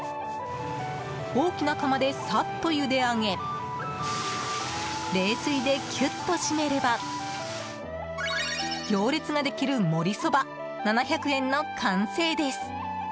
大きな釜でさっとゆであげ冷水できゅっと締めれば行列ができるもりそば、７００円の完成です。